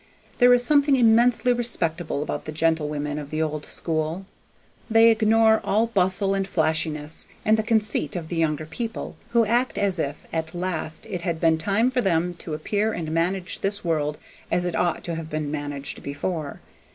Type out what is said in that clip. There is something immensely respectable about the gentlewomen of the old school. They ignore all bustle and flashiness, and the conceit of the younger people, who act as if at last it had been time for them to appear and manage this world as it ought to have been managed before.